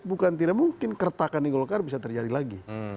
bukan tidak mungkin keretakan di golkar bisa terjadi lagi